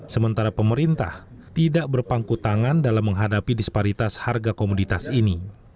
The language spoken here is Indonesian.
sementara pemerintah tidak berpangku tangan dalam menghadapi disparitas harga komoditas ini